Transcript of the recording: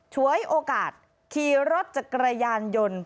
ฉวยโอกาสขี่รถจักรยานยนต์